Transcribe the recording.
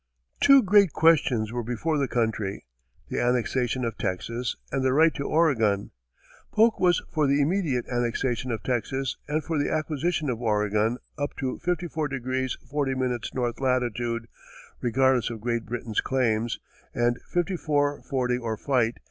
Two great questions were before the country: the annexation of Texas and the right to Oregon. Polk was for the immediate annexation of Texas and for the acquisition of Oregon up to 54° 40" north latitude, regardless of Great Britain's claims, and "Fifty four forty or fight!"